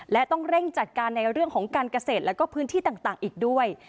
และต้องเร่งจัดการในเรื่องของการเกษตรแล้วก็พื้นที่ต่างอีกด้วย